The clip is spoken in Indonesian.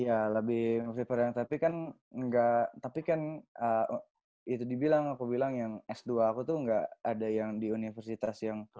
ya lebih pada yang tapi kan enggak tapi kan itu dibilang aku bilang yang s dua aku tuh nggak ada yang di universitas yang